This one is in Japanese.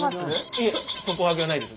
いえ底上げはないです。